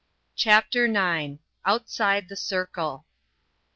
CHAPTER IX. OUTSIDE THE CIRCLE.